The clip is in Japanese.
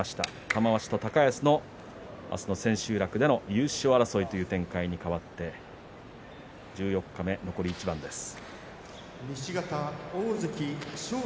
玉鷲と高安の明日の千秋楽での優勝争いという展開に変わって十四日目残り一番です。